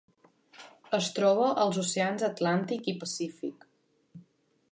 Es troba als oceans Atlàntic i Pacífic.